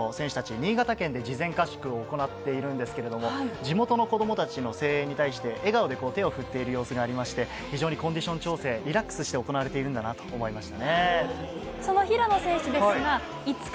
新潟県で事前合宿を行ってるんですけれど、地元の子どもたちの声援に対して笑顔で手を振っている様子がありまして、コンディション調整がリラックスして行われてるなと思いました。